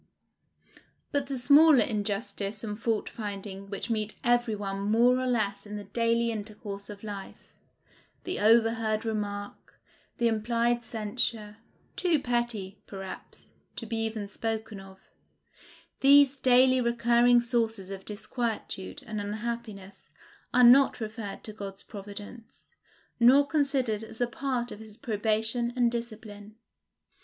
But the smaller injustice and fault finding which meet every one more or less in the daily intercourse of life, the overheard remark, the implied censure, too petty, perhaps, to be even spoken of, these daily recurring sources of disquietude and unhappiness are not referred to God's providence, nor considered as a part of his probation and discipline.